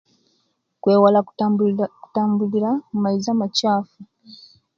Kwewala kutambulira kutambulira mu maizi amakyafu